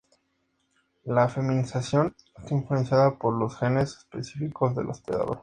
La feminización está influenciada por los genes específicos del hospedador.